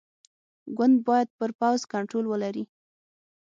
ګوند باید پر پوځ کنټرول ولري.